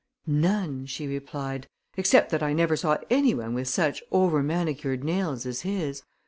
"None," she replied, "except that I never saw any one with such overmanicured nails as his.